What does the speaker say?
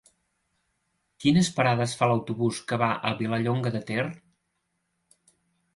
Quines parades fa l'autobús que va a Vilallonga de Ter?